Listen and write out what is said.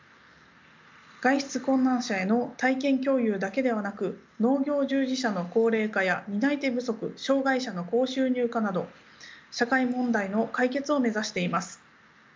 外出困難者への体験共有だけではなく農業従事者の高齢化や担い手不足障がい者の高収入化など社会問題の解決を目指しています。